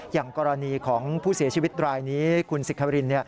อย่างกรณีของผู้เสียชีวิตรายนี้คุณสิทธริน